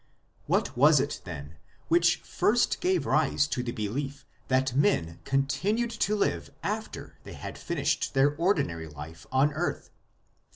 What was it, then, which first gave rise to the belief that men continued to live after they had finished their ordinary life on earth